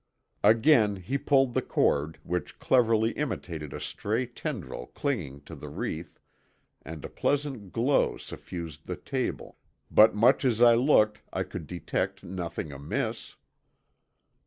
Again he pulled the cord which cleverly imitated a stray tendril clinging to the wreath, and a pleasant glow suffused the table, but much as I looked I could detect nothing amiss.